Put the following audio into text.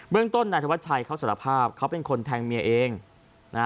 เรื่องต้นนายธวัชชัยเขาสารภาพเขาเป็นคนแทงเมียเองนะฮะ